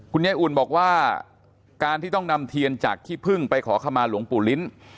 ยายอุ่นบอกว่าการที่ต้องนำเทียนจากขี้พึ่งไปขอขมาหลวงปู่ลิ้น